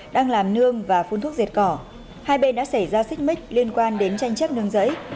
đang làm nương và phun thuốc diệt cỏ hai bên đã xảy ra xích mích liên quan đến tranh chấp nương giấy